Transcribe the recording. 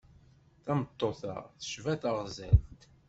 Tameṭṭut-a tecba taɣzalt.